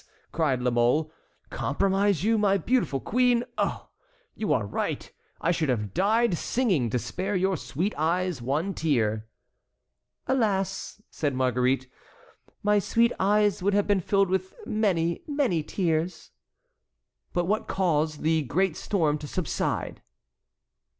cried La Mole; "compromise you, my beautiful queen? Oh! you are right. I should have died singing, to spare your sweet eyes one tear." "Alas!" said Marguerite, "my sweet eyes would have been filled with many, many tears." "But what caused the great storm to subside?"